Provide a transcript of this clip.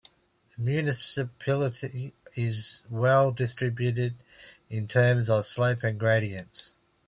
The municipality is well distributed in terms of slope gradients.